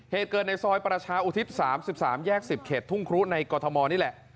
เหตุเกิดในซอยประชาอุทิศ๓๓แยก๑๐เขตทุ่งครุในกรทมนี่แหละ